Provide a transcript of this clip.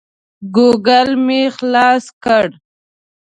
ګوګل مې خلاص کړ.